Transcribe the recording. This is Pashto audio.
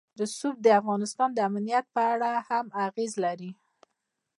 رسوب د افغانستان د امنیت په اړه هم اغېز لري.